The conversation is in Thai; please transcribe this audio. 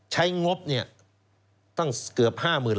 ใช้งบตั้งเกือบ๕๐๐๐๐บาท